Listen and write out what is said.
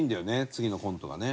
次のコントがね。